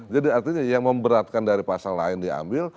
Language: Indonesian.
jadi artinya yang memberatkan dari pasal lain diambil